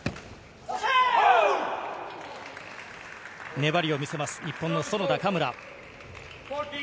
粘りを見せます、日本の園田・嘉村。